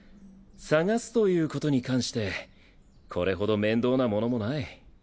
探すということに関してこれほど面倒なものもない。